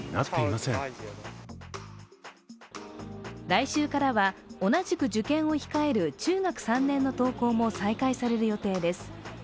来週からは同じく受験を控える中学３年の登校も再開される予定です。